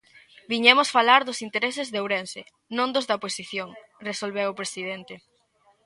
"Viñemos falar dos intereses de Ourense, non dos da oposición", resolveu o presidente.